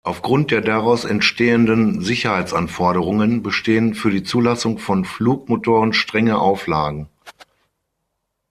Aufgrund der daraus entstehenden Sicherheitsanforderungen bestehen für die Zulassung von Flugmotoren strenge Auflagen.